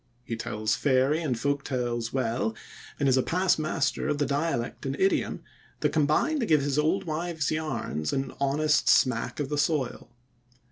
He tells fairy and folk tales well, and is a past master of the dialect and idiom that combine to give his old wives' yarns an honest smack of the soil.